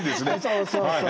そうそうそう。